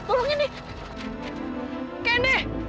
ken ken ken